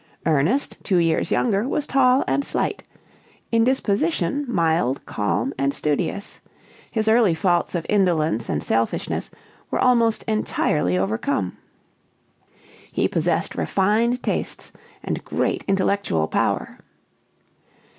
Ernest, two years younger, was tall and slight; in disposition, mild, calm, and studious; his early faults of indolence and selfishness were almost entirely overcome. He possessed refined tastes and great intellectual power.